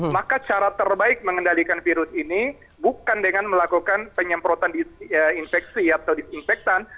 maka cara terbaik mengendalikan virus ini bukan dengan melakukan penyemprotan infeksi atau disinfektan